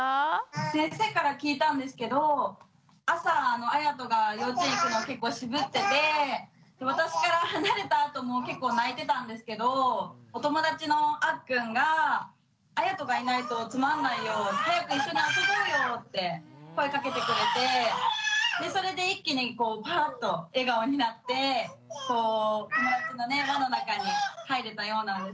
先生から聞いたんですけど朝あやとが幼稚園行くの結構渋ってて私から離れたあとも結構泣いてたんですけどお友達のあっくんが「絢仁がいないとつまんないよ。早く一緒に遊ぼうよ」って声かけてくれてそれで一気にパァッと笑顔になって友達のね輪の中に入れたようなんです。